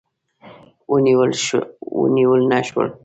ونیول نه شول.